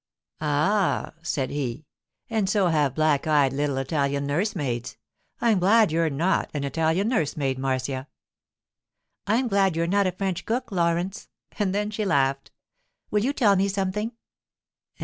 'Ah,' said he, 'and so have black eyed little Italian nursemaids—I'm glad you're not an Italian nursemaid, Marcia.' 'I'm glad you're not a French cook—Laurence.' And then she laughed. 'Will you tell me something?